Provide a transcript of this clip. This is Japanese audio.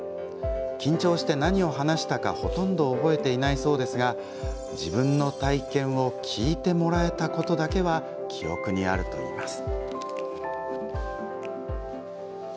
緊張して何を話したかほとんど覚えていないそうですが自分の体験を聞いてもらえたことだけは記憶にあるといいます。